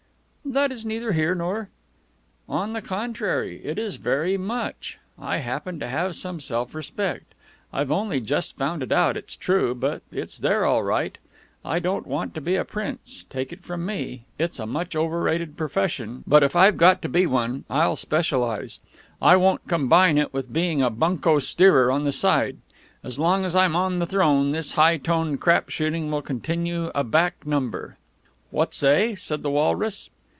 "That is neither here nor " "On the contrary, it is, very much. I happen to have some self respect. I've only just found it out, it's true, but it's there all right. I don't want to be a prince take it from me, it's a much overrated profession but if I've got to be one, I'll specialize. I won't combine it with being a bunco steerer on the side. As long as I am on the throne, this high toned crap shooting will continue a back number." "What say?" said the walrus.